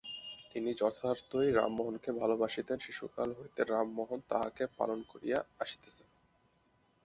তিনি যথার্থ ই রামমােহনকে ভাল বাসিতেন, শিশুকাল হইতে রামমােহন তাঁহাকে পালন করিয়া আসিতেছে।